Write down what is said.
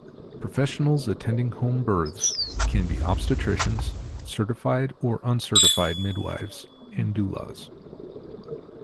Professionals attending home births can be obstetricians, certified or uncertified midwives, and doulas.